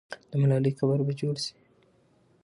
د ملالۍ قبر به جوړ سي.